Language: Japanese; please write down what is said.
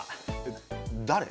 誰？